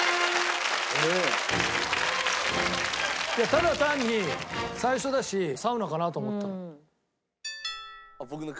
ただ単に最初だしサウナかな？と思った。